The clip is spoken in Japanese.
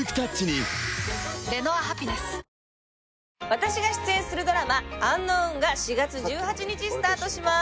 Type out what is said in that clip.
私が出演するドラマ『ｕｎｋｎｏｗｎ』が４月１８日スタートします。